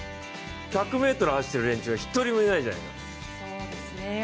１００ｍ走っている連中が一人もいないじゃないか。